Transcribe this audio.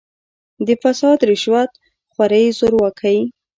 د «فساد، رشوت خورۍ، زورواکۍ